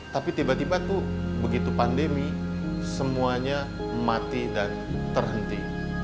tapi tiba tiba tuh begitu pandemi semuanya mati dan terhenti